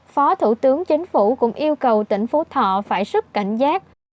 phó thủ tướng chính phủ cũng yêu cầu tỉnh phú thọ phải sức cảnh giác